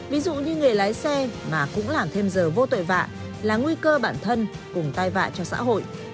ví dụ như người lái xe mà cũng làm thêm giờ vô tội vạ là nguy cơ bản thân cùng tay vạ cho xã hội